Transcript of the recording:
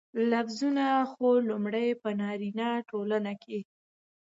لفظونه خو لومړى په نارينه ټولنه کې